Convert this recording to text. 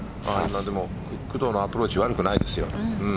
工藤のアプローチ悪くないですよ。